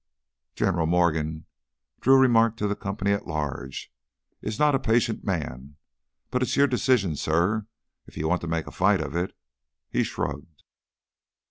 "General Morgan," Drew remarked to the company at large, "is not a patient man. But it's your decision, suh. If you want to make a fight of it." He shrugged.